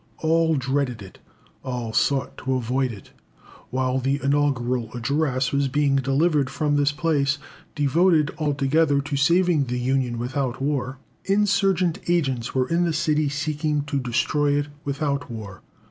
All dreaded it all sought to avoid it. While the inaugural address was being delivered from this place, devoted altogether to saving the Union without war, insurgent agents were in the city seeking to destroy it without war....